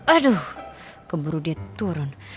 aduh keburu dia turun